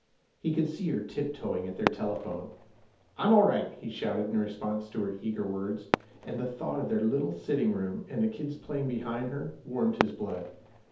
He could see her tiptoeing at their telephone. 'I'm all right,' he shouted in response to her eager words; and the thought of their little sitting room, and the kids playing behind her, warmed his blood.